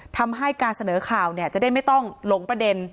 ทำให้การเสนอข่าวจะได้ไม่ต้องหลงประเด็น